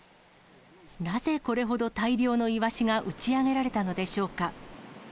なぜこれほど大量のイワシが打ち上げられたのでしょうか。